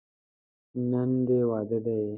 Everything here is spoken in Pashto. نن دې واده دی.